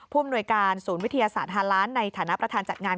อำนวยการศูนย์วิทยาศาสตร์ฮาล้านในฐานะประธานจัดงาน